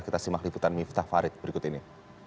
kita simak liputan miftah farid berikut ini